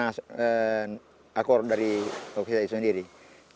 jadi kalau bas perlu nafas yang kuat yang besar sehingga volume bas akan jauh lebih besar